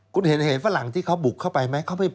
คุณเห็นฝรั่งที่เขาบุกเข้าไปไหม